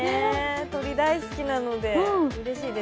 鳥大好きなので、うれしいです。